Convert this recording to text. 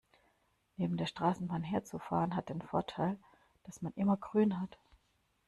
Neben der Straßenbahn herzufahren, hat den Vorteil, dass man immer grün hat.